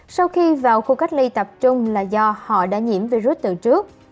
sau khi vào khu cách ly tập trung là do họ đã nhiễm virus từ trước